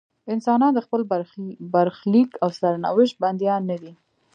انسانان د خپل برخلیک او سرنوشت بندیان نه دي.